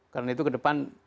karena itu ke depan